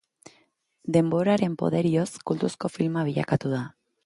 Denboraren poderioz kultuzko filma bilakatu da.